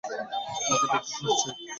মাথাটা একটু ঘুরছে।